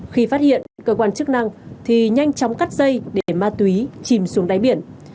khi phát hiện cơ quan chức năng thì nhanh chóng cắt dây để ma túy chìm xuống đáy biển